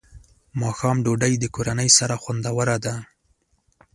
ماښام ډوډۍ د کورنۍ سره خوندوره ده.